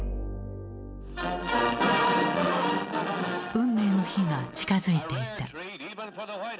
運命の日が近づいていた。